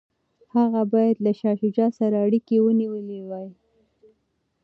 هغه باید له شاه شجاع سره اړیکي ونیولي وای.